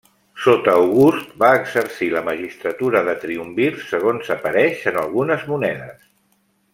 Sota August va exercir la magistratura de triumvir segons apareix en algunes monedes.